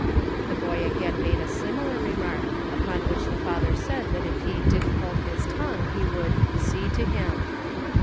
The boy again made a similar remark, upon which the father said that if he didn't hold his tongue he would "see to him."